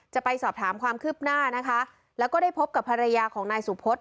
จะไปสอบถามความคืบหน้านะคะแล้วก็ได้พบกับภรรยาของนายสุพศ